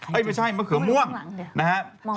ไม่ใช่มะเขือม่วงนะครับ